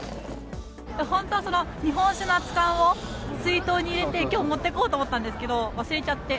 本当は日本酒の熱かんを水筒に入れて、きょう持ってこようと思ったんですけど、忘れちゃって。